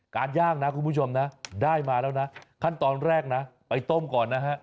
ย่างนะคุณผู้ชมนะได้มาแล้วนะขั้นตอนแรกนะไปต้มก่อนนะฮะ